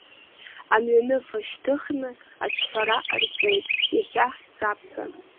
Амҩаныфа шьҭыхны, аҿҳәара ҟарҵеит иахьа ҳцап ҳәа.